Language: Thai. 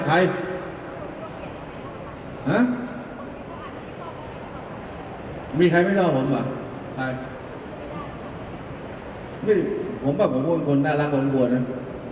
ใครฮะมีใครไม่ชอบผมเหรอใครไม่ผมแบบผมควรควรน่ารักกว่าผมกว่าเนี้ย